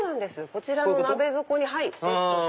こちらの鍋底にセットして。